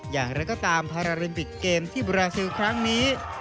อย่างไรก็ตามพาราลิมปิกเกมที่บราซิลครั้งนี้